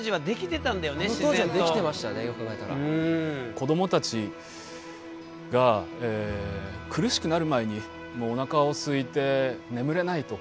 子どもたちが苦しくなる前にもうおなかすいて眠れないとか